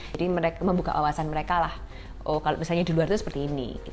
jadi membuka wawasan mereka lah oh kalau misalnya di luar itu seperti ini